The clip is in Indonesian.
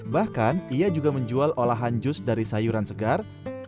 bahkan ia juga menjual olahan jus dari sayuran segar